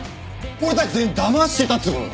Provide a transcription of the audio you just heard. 俺たち全員だましてたっつうことか？